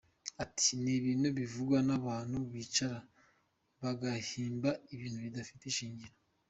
Ati “Ni ibintu bivugwa n’abantu bicara bagahimba ibintu bidafite ishingiro.